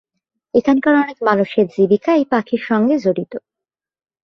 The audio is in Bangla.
এখানকার অনেক মানুষের জীবিকা এই পাখির সঙ্গে জড়িত।